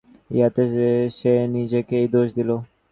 ইহাতে সে নিজেকেই দোষ দিল।